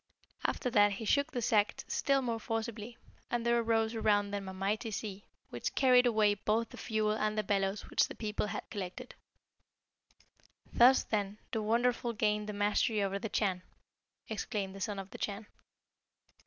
After that he shook the sack still more forcibly, and there arose around them a mighty sea, which carried away both the fuel and the bellows which the people had collected." "Thus, then, the Wonderful gained the mastery over the Chan," exclaimed the Son of the Chan.